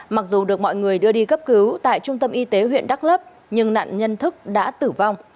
mặc dù được mọi người đưa đi cấp cứu tại trung tâm y tế huyện đắk lấp nhưng nạn nhân thức đã tử vong